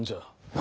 何！？